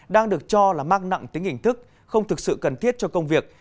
đang được cho là mắc nặng tính hình thức không thực sự cần thiết cho công việc